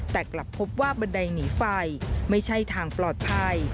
แต่กลับพบว่าบันไดหนีไฟไม่ใช่ทางปลอดภัย